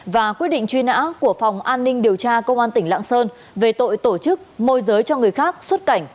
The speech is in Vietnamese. và quyết định truy nã của phòng an ninh điều tra công an tỉnh lạng sơn về tội tổ chức môi giới cho người khác xuất cảnh